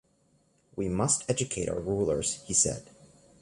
"We must educate our rulers," he said.